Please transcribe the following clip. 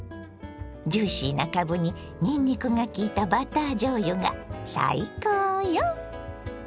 ジューシーなかぶににんにくがきいたバターじょうゆが最高よ！